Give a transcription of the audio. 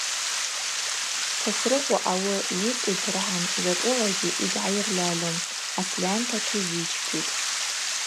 Сосрыкъва ауи йыцӏидыргӏан закӏылагьи йыгьгӏайырльальум, асльанта тшизичпитӏ.